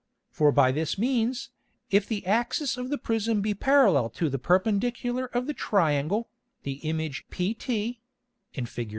For by this means, if the Axis of the Prism be parallel to the Perpendicular of the Triangle, the Image pt [in _Fig.